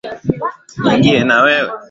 Niingie na wewe.